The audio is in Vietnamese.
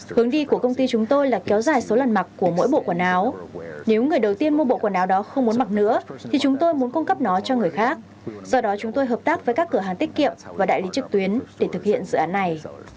hướng đi của công ty chúng tôi là kéo dài số lần mặc của mỗi bộ quần áo nếu người đầu tiên mua bộ quần áo đó không muốn mặc nữa thì chúng tôi muốn cung cấp nó cho người khác do đó chúng tôi hợp tác với các cửa hàng tiết kiệm và đại lý trực tuyến để thực hiện dự án này